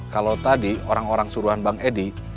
kalau tadi orang orang suruhan bang edi